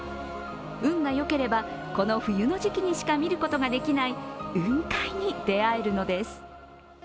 運がよければ、この冬の時期にしか見ることができない雲海に出会えるのです。